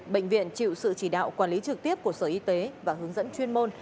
bệnh viện chịu sự chỉ đạo quản lý trực tiếp của sở y tế và hướng dẫn chuyên môn